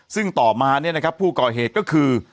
ซึ่งต่อมาเนี้ยนะครับผู้ก่อเหตุก็คือ